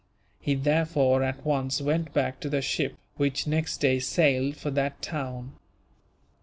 He therefore at once went back to the ship, which next day sailed for that town.